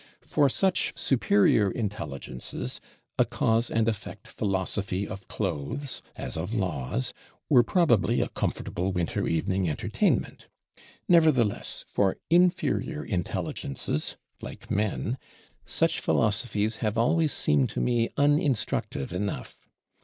"For such superior Intelligences a Cause and Effect Philosophy of Clothes, as of Laws, were probably a comfortable winter evening entertainment: nevertheless, for inferior Intelligences, like men, such Philosophies have always seemed to me uninstructive enough.